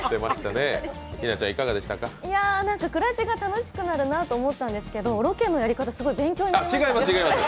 暮らしが楽しくなるなと思ったんですけど、ロケのやり方、すごい勉強になりました。